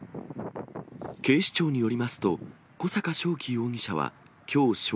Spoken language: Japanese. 警視庁によりますと、小阪渉生容疑者はきょう正